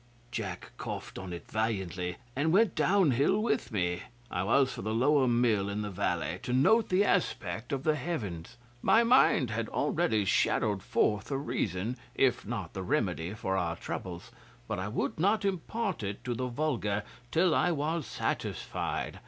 'Jack coughed on it valiantly, and went downhill with me. I was for the Lower Mill in the valley, to note the aspect of the Heavens. My mind had already shadowed forth the reason, if not the remedy, for our troubles, but I would not impart it to the vulgar till I was satisfied.